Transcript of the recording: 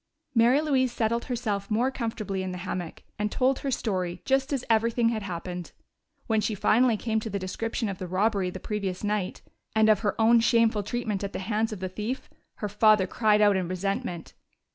Mary Louise settled herself more comfortably in the hammock, and told her story, just as everything had happened. When she finally came to the description of the robbery the previous night, and of her own shameful treatment at the hands of the thief, her father cried out in resentment.